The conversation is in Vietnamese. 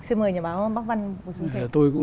xin mời nhà báo bác văn